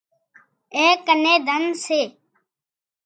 اين ڪنين ڌنَ سي